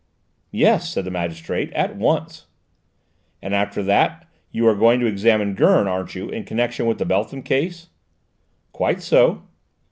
"Yes," said the magistrate; "at once." "And after that you are to examine Gurn, aren't you, in connection with the Beltham case?" "Quite so."